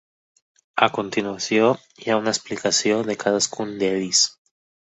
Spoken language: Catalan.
A continuació hi ha una explicació de cadascun d'ells.